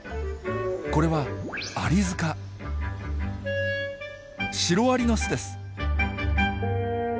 これはシロアリの巣です。